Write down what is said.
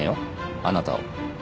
あなたを。